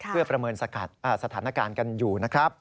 เพื่อประเมินสถานการณ์กันอยู่นะครับ